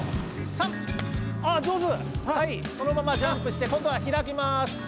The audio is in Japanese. そのままジャンプしてこんどはひらきます。